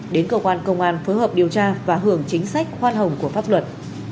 đến cơ quan công an phối hợp điều tra và hưởng chính sách khoan hồng của pháp luật